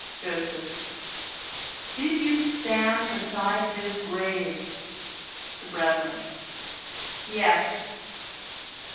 Joseph: "Did you stand beside his grave?" The brethren: "Yes!"